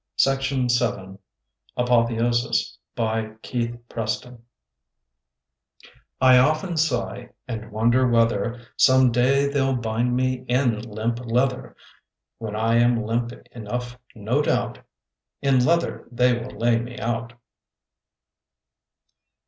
MURRAY HILL APOTHEOSIS By Keith Preston T OFTEN sigh and wonder whether ^ Some day they'll bind me in limp leather; When I am limp enough no doubt In leather they will lay me out.